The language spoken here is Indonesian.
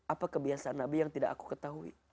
apa kebiasaan nabi yang tidak aku ketahui